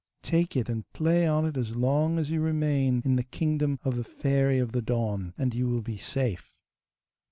Take it and play on it as long as you remain in the kingdom of the Fairy of the Dawn, and you will be safe.